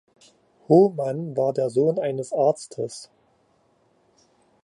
Hohmann war der Sohn eines Arztes.